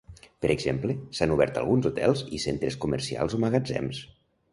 Per exemple, s'han obert alguns hotels i centres comercials o magatzems.